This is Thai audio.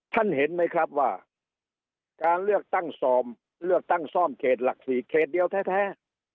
เห็นไหมครับว่าการเลือกตั้งซอมเลือกตั้งซ่อมเขตหลัก๔เขตเดียวแท้